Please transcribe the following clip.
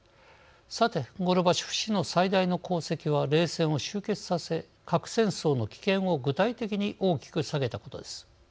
さて、ゴルバチョフ氏の最大の功績は冷戦を終結させ核戦争の危険を具体的に大きく下げたことです。